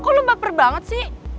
kok lo baper banget sih